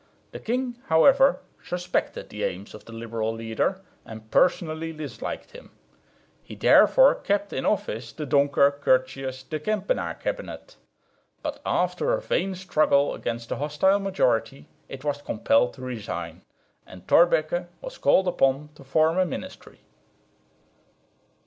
The king however suspected the aims of the liberal leader, and personally disliked him. He therefore kept in office the Donker Curtius De Kempenaer cabinet; but, after a vain struggle against the hostile majority, it was compelled to resign, and Thorbecke was called upon to form a ministry.